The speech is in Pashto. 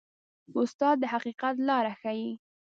استاد د حقیقت لاره ښيي.